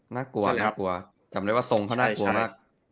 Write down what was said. น่ากลัวน่ากลัวจำได้ว่าทรงเขาน่ากลัวมาก